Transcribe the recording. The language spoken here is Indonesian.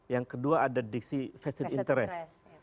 yang kedua ada diksi vested interest